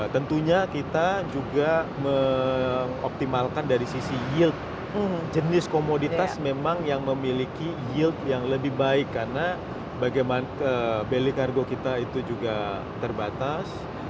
tentunya kita juga mengoptimalkan dari sisi yield jenis komoditas memang yang memiliki yield yang lebih baik karena bagaimana beli kargo kita itu juga terbatas